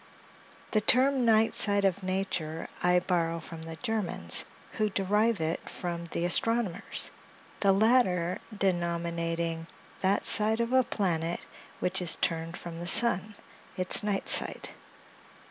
The term "Night Side of Nature" I borrow from the Germans, who derive it from the astronomers, the latter denominating that side of a planet which is turned from the sun, its night side.